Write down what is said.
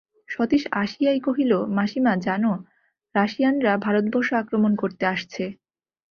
সতীশ আসিয়াই কহিল, মাসিমা, জান, রাশিয়ানররা ভারতবর্ষ আক্রমণ করতে আসছে?